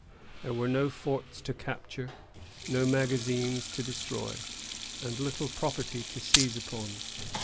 There were no forts to capture, no magazines to destroy, and little property to seize upon.